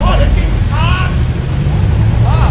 ดูตัวเฮ้ยน่ากลิ่นช้าก